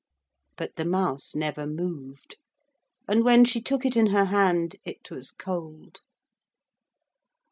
But the mouse never moved. And when she took it in her hand it was cold.